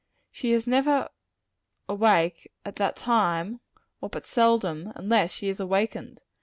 She is never awake at that timer or but seldom, unless she is awakened.